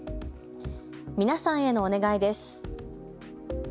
皆さんへのお願いです。